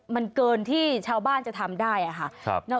มันเกินที่ชาวบ้านจะทำได้ค่ะ